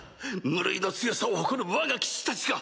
無類の強さを誇るわが騎士たちが！